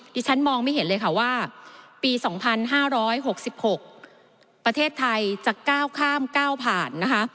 ดิฉันมองไม่เห็นเลยค่ะว่าปี๒๕๖๖ประเทศไทยจะก้าวข้ามก้าวผ่านนะคะ